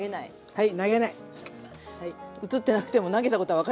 はい。